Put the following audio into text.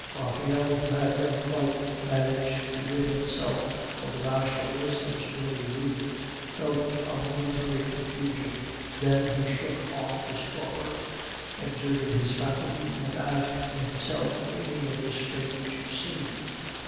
Raphael, who had never quite managed to rid himself of the bashfulness of his early youth, felt a momentary confusion; then he shook off his torpor, exerted his faculties, and asked himself the meaning of this strange scene.